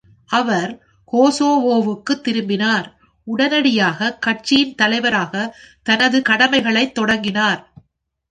அவர் கொசோவோவுக்குத் திரும்பினார், உடனடியாக கட்சியின் தலைவராக தனது கடமைகளைத் தொடங்கினார்.